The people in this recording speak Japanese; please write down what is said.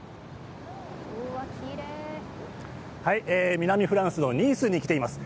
南フランスのニースに来ています。